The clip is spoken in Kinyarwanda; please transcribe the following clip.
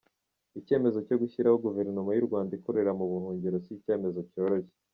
Icyemezo cyo gushyiraho Guverinoma y’u Rwanda ikorera mu buhungiro si icyemezo cyoroshye.